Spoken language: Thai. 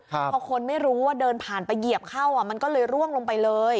พอคนไม่รู้ว่าเดินผ่านไปเหยียบเข้าอ่ะมันก็เลยร่วงลงไปเลย